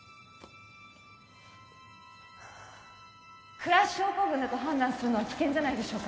クラッシュ症候群だと判断するのは危険じゃないでしょうか